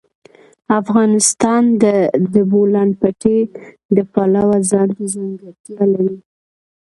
افغانستان د د بولان پټي د پلوه ځانته ځانګړتیا لري.